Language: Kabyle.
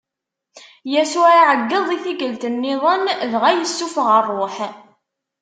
Yasuɛ iɛeggeḍ i tikkelt-nniḍen dɣa yessufeɣ ṛṛuḥ.